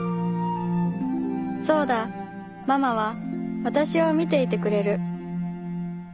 「そうだママは私を見ていてくれる」